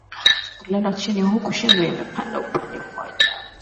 Kulala chini huku shingo imepinda upande mmoja